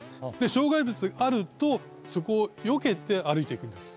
障害物があるとそこをよけて歩いていくんです。